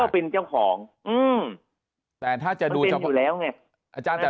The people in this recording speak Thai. ก็เป็นเจ้าของแต่ก็เป็นอยู่แล้วไง